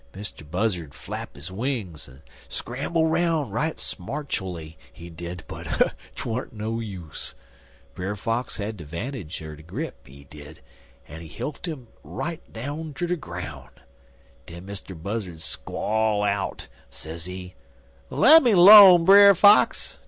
Mr. Buzzard flap his wings, en scramble 'roun' right smartually, he did, but 'twant no use. Brer Fox had de 'vantage er de grip, he did, en he hilt 'im right down ter de groun'. Den Mr. Buzzard squall out, sezee: "'Lemme 'lone, Brer Fox.